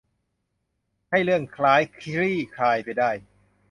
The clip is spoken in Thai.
ให้เรื่องร้ายคลี่คลายไปได้